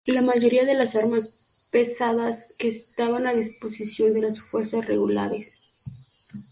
La mayoría de las armas pesadas que estaban a disposición de las fuerzas regulares.